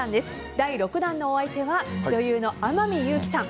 第６弾のお相手は女優の天海祐希さん。